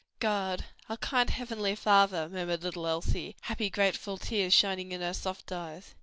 "God, our kind heavenly Father," murmured little Elsie, happy, grateful tears shining in her soft eyes.